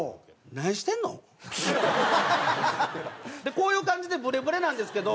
こういう感じでブレブレなんですけど。